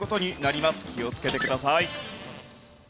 気をつけてください。